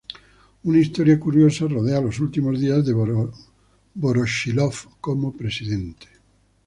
Una historia curiosa rodea los últimos días de Voroshílov como presidente.